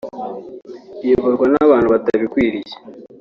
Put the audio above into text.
uyoborwa n’abantu batabikwiriye